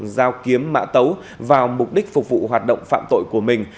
giao kiếm mã tấu vào mục đích phục vụ hoạt động phạm tội của mình